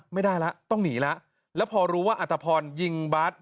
ไม่ได้แล้วต้องหนีแล้วแล้วพอรู้ว่าอัตภพรยิงบาส